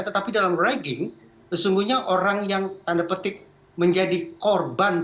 tetapi dalam ragging sesungguhnya orang yang tanda petik menjadi korban perundungan